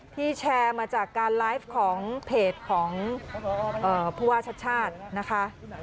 แชร์มาจากการไลฟ์ของเพจของผู้ว่าชาติชาตินะคะ